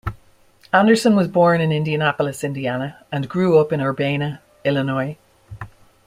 Anderson was born in Indianapolis, Indiana and grew up in Urbana, Illinois.